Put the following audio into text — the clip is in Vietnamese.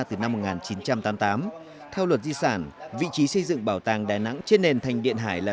từ năm một nghìn chín trăm tám mươi tám theo luật di sản vị trí xây dựng bảo tàng đà nẵng trên nền thành điện hải là